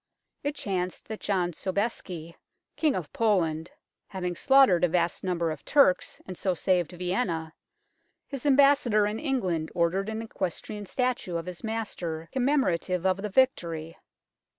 It chanced that John Sobeisky, King of Poland, having slaughtered a vast number of Turks, and so saved Vienna, his Ambassador in England ordered an equestrian statue of his master com memorative of the victory.